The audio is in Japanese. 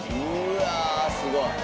うわすごい。